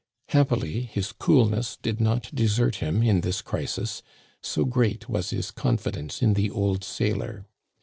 Happily his coolness did not desert him in this crisis, so great was his confidence in the old sailor.